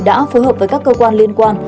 đã phối hợp với các cơ quan liên quan